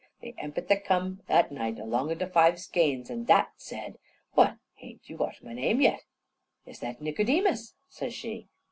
The impet that come at night along o' the five skeins, an' that said: "What, hain't yew got my name yet?" "Is that Nicodemus?" says she.